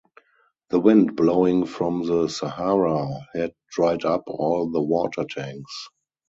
The wind blowing from the Sahara had dried up all the water-tanks.